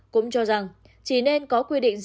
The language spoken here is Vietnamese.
cũng cho rằng chỉ nên có quy định giãn cách